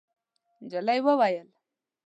نجلۍ وویل: